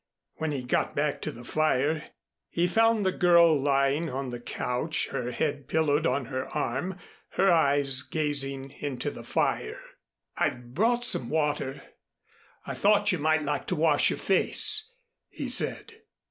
When he got back to the fire, he found the girl lying on the couch, her head pillowed on her arm, her eyes gazing into the fire. "I've brought some water. I thought you might like to wash your face," he said.